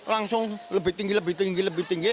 langsung lebih tinggi lebih tinggi lebih tinggi